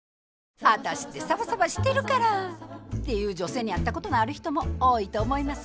「ワタシってサバサバしてるから」って言う女性に会ったことのある人も多いと思います。